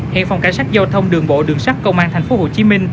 hiện phòng cảnh sát giao thông đường bộ đường sắt công an tp hcm